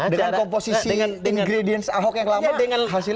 dengan komposisi ingredients ahok yang lama hasilnya menurunkan trust